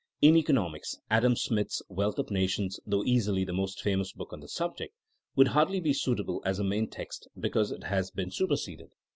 In economics Adam Smith 's Wealth of Nations, though easily the most famous book on the subject, would hardly be suitable as a main text because it has been superseded.